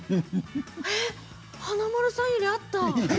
華丸さんよりあった。